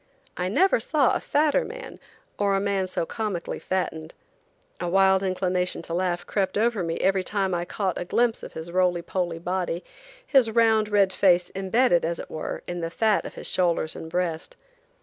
I never saw a fatter man, or a man so comically fattened. A wild inclination to laugh crept over me every time I caught a glimpse of his roly poly body, his round red face embedded, as it were, in the fat of his shoulders and breast.